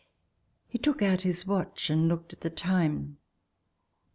He took out his watch and looked at the time.